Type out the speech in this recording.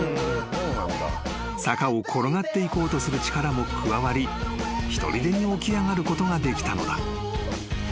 ［坂を転がっていこうとする力も加わりひとりでに起き上がることができたのだ］